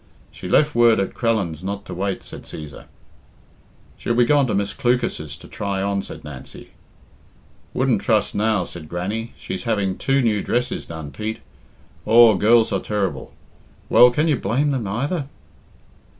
"She left word at Crellin's not to wait," said Cæsar. "She'll be gone to Miss Clucas's to try on," said Nancy. "Wouldn't trust now," said Grannie. "She's having two new dresses done, Pete. Aw, girls are ter'ble. Well, can you blame them either?"